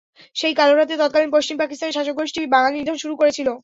সেই কালো রাতে তৎকালীন পশ্চিম পাকিস্তানের শাসকগোষ্ঠী বাঙালি নিধন শুরু করেছিল।